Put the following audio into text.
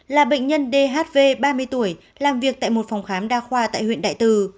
là bệnh nhân dhv ba mươi tuổi làm việc tại một phòng khám đa khoa tại huyện đại từ